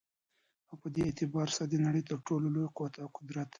او په دي اعتبار سره دنړۍ تر ټولو لوى قوت او قدرت دى